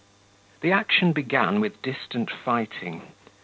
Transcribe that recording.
36 The action began with distant fighting.